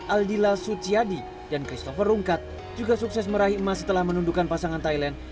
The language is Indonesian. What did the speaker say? aldila suciadi dan christopher rungkat juga sukses meraih emas setelah menundukan pasangan thailand